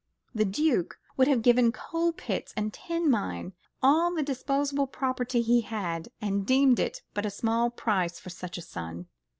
The Duke would have given coal pits and tin mine, all the disposable property he held, and deemed it but a small price for such a son.